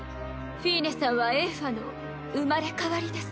フィーネさんはエーファの生まれ変わりです。